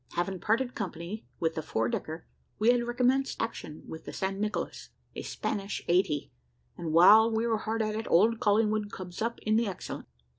Having parted company with the four decker, we had recommenced action with the San Nicolas, a spanish eighty, and while we were hard at it, old Collingwood comes up in the Excellent.